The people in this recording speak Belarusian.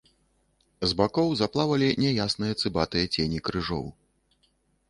З бакоў заплавалі няясныя цыбатыя цені крыжоў.